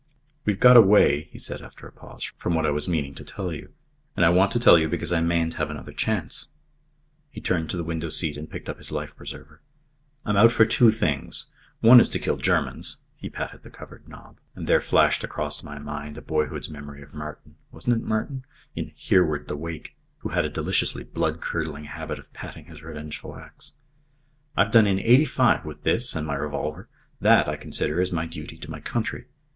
"We've got away," he said, after a pause, "from what I was meaning to tell you. And I want to tell you because I mayn't have another chance." He turned to the window seat and picked up his life preserver. "I'm out for two things. One is to kill Germans " He patted the covered knob and there flashed across my mind a boyhood's memory of Martin wasn't it Martin? in "Hereward the Wake," who had a deliciously blood curdling habit of patting his revengeful axe. "I've done in eighty five with this and my revolver. That, I consider, is my duty to my country.